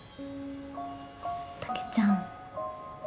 たけちゃん。